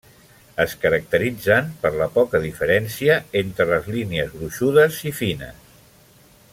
Es caracteritzen per la poca diferència entre les línies gruixudes i fines.